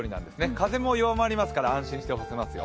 風も弱まりますから安心して干せますよ。